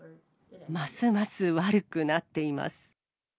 ますます悪くなっています。